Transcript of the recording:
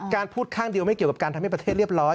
พูดข้างเดียวไม่เกี่ยวกับการทำให้ประเทศเรียบร้อย